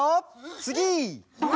つぎ！